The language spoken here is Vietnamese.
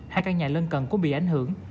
hai căn nhà lân cần cũng bị ảnh hưởng